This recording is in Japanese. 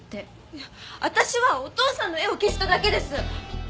私はお父さんの絵を消しただけです。